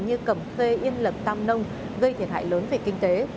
như cẩm khê yên lập tam nông gây thiệt hại lớn về kinh tế